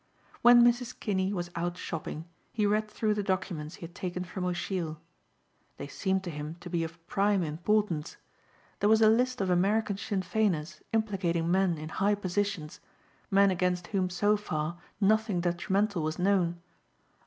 When Mrs. Kinney was out shopping he read through the documents he had taken from O'Sheill. They seemed to him to be of prime importance. There was a list of American Sinn Feiners implicating men in high positions, men against whom so far nothing detrimental was known.